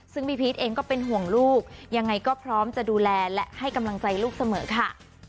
ซึ่งพี่พีชเองก็เป็นห่วงลูกยังไงก็พร้อมจะดูแลและให้กำลังใจลูกเสมอค่ะ